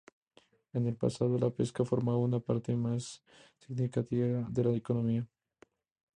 En el pasado, la pesca formaba una parte más significativa de la economía.